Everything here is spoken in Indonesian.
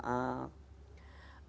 maka kamu akan ikuti semua perintah allah